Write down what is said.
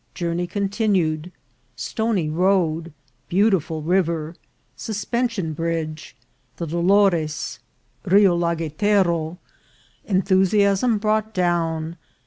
— Journey continued. — Stony Road. — Beautiful River.— Suspension Bridge. — The Dolores. — Rio Lagertero.— Enthusiasm brought down.